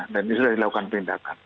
dan sudah dilakukan pindahkan